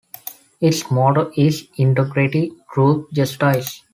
Its motto is "Integrity, Truth, Justice".